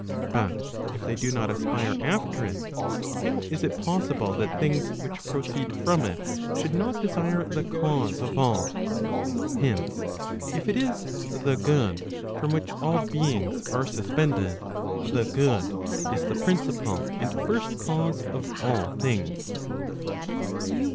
But if they do not aspire after it* how is it possible that things which proceed from it should not desire the cause of all ? Hence, if it is the good from which all beings are suspended, the good is the principle and first cause of all things.